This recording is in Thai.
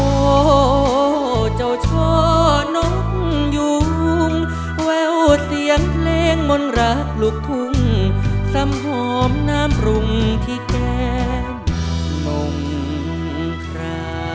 โอ้โหเจ้าช่อนกยุงแววเสียงเพลงมนต์รักลูกทุ่งสำหอมน้ำปรุงที่แก้มปงครา